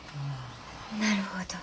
なるほど。